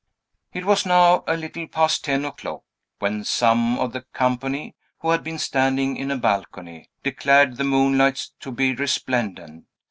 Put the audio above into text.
It was now a little past ten o'clock, when some of the company, who had been standing in a balcony, declared the moonlight to be resplendent.